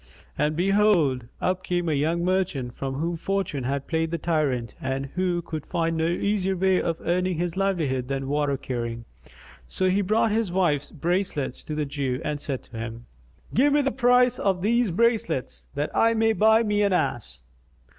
And behold, up came a young merchant with whom fortune had played the tyrant and who could find no easier way of earning his livelihood than water carrying. So he brought his wife's bracelets to the Jew and said to him, "Give me the price of these bracelets, that I may buy me an ass."